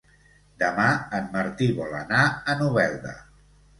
Demà en Martí vol anar a Novelda.